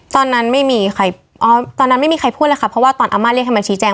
ตอนนั้นไม่มีใครอ๋อตอนนั้นไม่มีใครพูดแล้วค่ะเพราะว่าตอนอาม่าเรียกให้มาชี้แจง